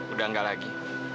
udah enggak lagi